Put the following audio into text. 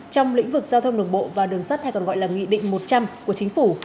trong lĩnh vực giao thông đường bộ và đường sắt hay còn gọi là nghị định một trăm linh của chính phủ